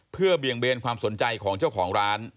เพื่อเบี่ยงเบนความสนใจของเจ้าของร้าน